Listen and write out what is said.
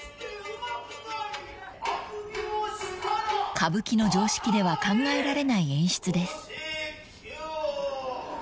［歌舞伎の常識では考えられない演出です］